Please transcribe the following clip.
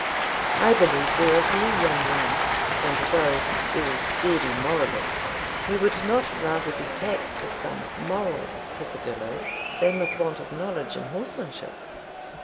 I believe there are few young men, and those very sturdy moralists, who would not rather be taxed with some moral peccadillo than with want of knowledge in horsemanship.